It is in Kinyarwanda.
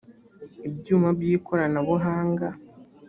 ibyuma by’ ikoranabuhanga